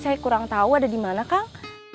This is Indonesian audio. saya kurang tau ada dimana kang